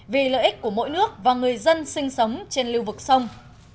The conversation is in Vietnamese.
vì lợi ích của mỗi nước và người dân sinh sống trên lưu vực sông